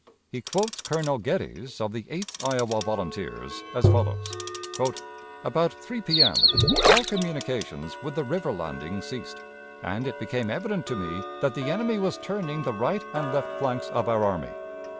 He quotes Colonel Geddes, of the Eighth Iowa Volunteers, as follows: "About 3 P.M. all communications with the river (landing) ceased, and it became evident to me that the enemy was turning the right and left flanks of our army.